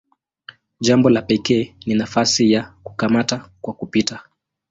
Jambo la pekee ni nafasi ya "kukamata kwa kupita".